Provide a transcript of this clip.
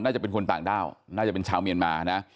น่าจะเป็นคนต่างด้าวน่าจะเป็นชาวเมียนมานะ